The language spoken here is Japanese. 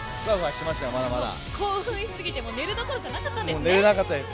興奮しすぎて寝るどころじゃなかったんですね。